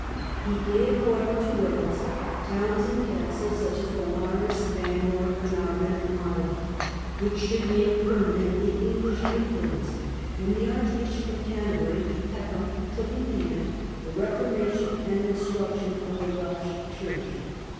He gave, however, to Wales towns and castles, such as Beaumaris, Bangor, Carnarvon, Harlech, which should make permanent the English in fluence, and the Archbishop of Canterbury (Peckham) took in hand the reformation and the instruction of the Welsh church.